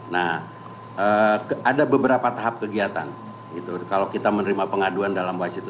nah ada beberapa tahap kegiatan kalau kita menerima pengaduan dalam bahasa itu